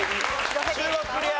中国クリア。